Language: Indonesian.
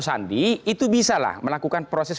sandi itu bisa lah melakukan proses